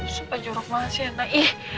sumpah jorok banget sih anak